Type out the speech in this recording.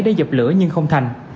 để dập lửa nhưng không thành